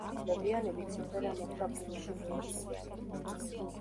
მოგვიანებით სიმღერა მოხვდა ფილმში „ლურჯი წვენი“.